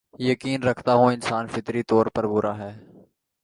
یقین رکھتا ہوں کے انسان فطری طور پر برا ہے